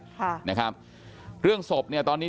อยู่ดีมาตายแบบเปลือยคาห้องน้ำได้ยังไง